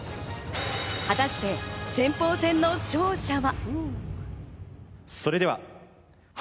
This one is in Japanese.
果たして先鋒戦の勝者は。